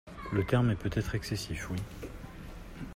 le terme est peut-être excessif, Oui